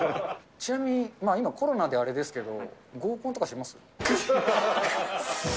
ちなみに今、コロナであれですけど、合コンとかしてます？